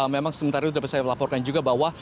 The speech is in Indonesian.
memang sementara itu dapat saya laporkan juga bahwa